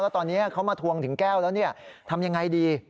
ตอนนี้เขามาทวงถึงแก้วแล้วทำยังไงดี